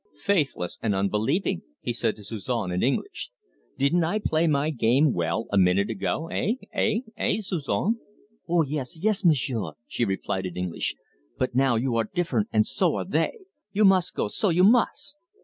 "Faithless and unbelieving!" he said to Suzon in English. "Didn't I play my game well a minute ago eh eh eh, Suzon?" "Oh, yes, yes, M'sieu'," she replied in English; "but now you are differen' and so are they. You must goah, so, you must!"